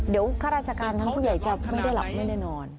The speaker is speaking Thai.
เดี๋ยวข้าราชการทั้งผู้ใหญ่จะไม่ได้หลับไม่ได้นอน